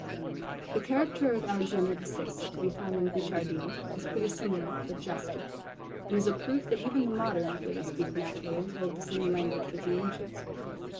The character of Alexander the Sixth, to be found in Guicciardin, [Footnote: Lib. i.] is pretty similar, but juster; and is a proof that even the moderns, where they speak naturally, hold the same language with the ancients.